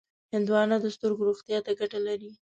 هندوانه د سترګو روغتیا ته ګټه لري.